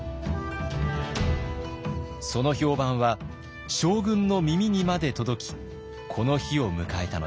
その評判は将軍の耳にまで届きこの日を迎えたのです。